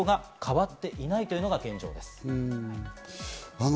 あまりその状態が変わっていないというのが現状です。